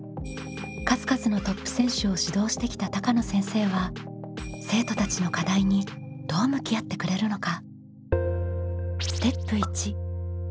数々のトップ選手を指導してきた高野先生は生徒たちの課題にどう向き合ってくれるのか？